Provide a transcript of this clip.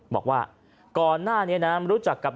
บอกว่าก่อนหน้านี้น้ำรู้จักกับนายบุญมีผู้ตาย